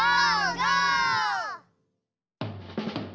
ゴー！